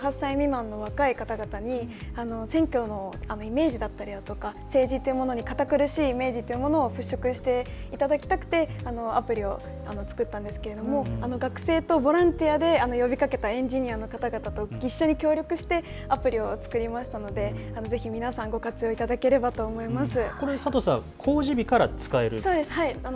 やはり選挙権がない１８歳未満の若い方々に選挙のイメージだったり政治というものに堅苦しいイメージというものを払拭していただきたくてアプリを作ったんですけれども学生とボランティアで呼びかけたエンジニアの方々と一緒に協力してアプリを作りましたのでぜひ皆さん、ご活用いただければと思います。